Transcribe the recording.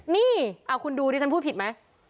นี่เอาคุณดูดิฉันพูดผิดไหม